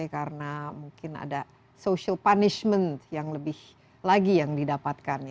karena mungkin ada social punishment yang lebih lagi yang didapatkan